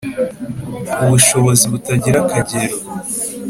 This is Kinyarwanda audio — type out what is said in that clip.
ubushobozi butagira akagero